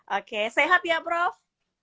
oke sehat ya prof